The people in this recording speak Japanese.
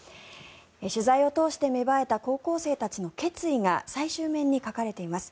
取材を通して芽生えた高校生たちの決意が最終面に書かれています。